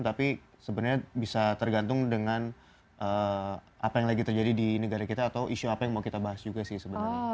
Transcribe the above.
tapi sebenarnya bisa tergantung dengan apa yang lagi terjadi di negara kita atau isu apa yang mau kita bahas juga sih sebenarnya